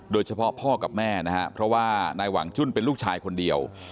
โดยเฉพาะพ่อกับแม่นะฮะเพราะว่านายหวังจุ้นเป็นลูกชายคนเดียว